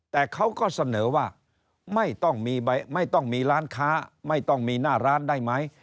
แต่เขาก็เสนอว่าไม่ต้องมีร้านค้าไม่ต้องมีหน้าร้านได้ไหม